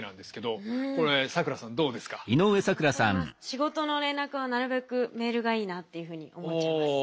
仕事の連絡はなるべくメールがいいなっていうふうに思っちゃいます。